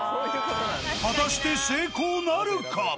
果たして成功なるか？